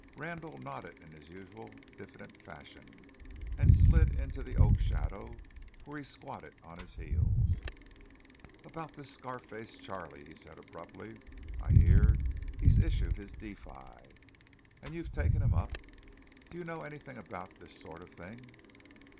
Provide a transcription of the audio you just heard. Randall nodded in his usual diffident fashion, and slid into the oak shadow, where he squatted on his heels. "About this Scar face Charley," he said abruptly, "I hear he's issued his defi, and you've taken him up. Do you know anything about this sort of thing?"